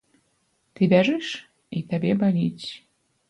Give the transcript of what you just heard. Ты бяжыш, і табе баліць.